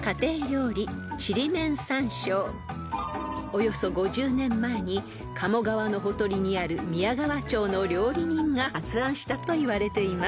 ［およそ５０年前に鴨川のほとりにある宮川町の料理人が発案したといわれています］